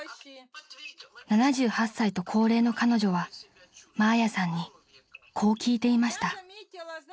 ［７８歳と高齢の彼女はマーヤさんにこう聞いていました］